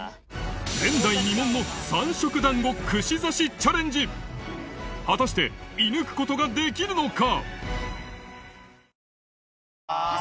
前代未聞の３色団子串刺しチャレンジ果たして射抜くことができるのか？